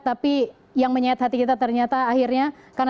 tapi yang menyayat hati kita ternyata akhirnya